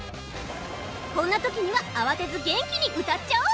こんなときにはあわてずげんきにうたっちゃおう！